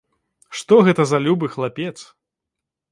Што гэта за любы хлапец!